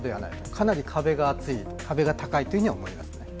かなり壁が厚い、壁が高いとは思います。